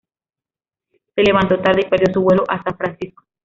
Se levantó tarde y perdió su vuelo a San Francisco.